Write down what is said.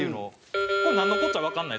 これなんのこっちゃわかんないですよね？